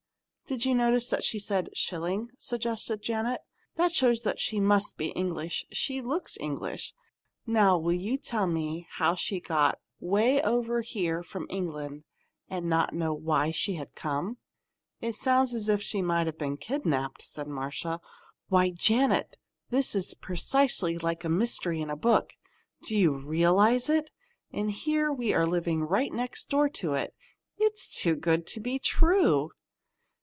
"Did you notice that she said 'shilling'?" suggested Janet. "That shows she must be English. She looks English. Now will you tell me how she could get 'way over here from England and not know why she had come?" "It sounds as if she might have been kidnapped," said Marcia. "Why, Janet! this is precisely like a mystery in a book. Do you realize it? And here we are living right next door to it! It's too good to be true!"